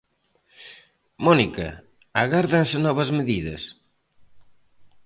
Mónica, agárdanse novas medidas?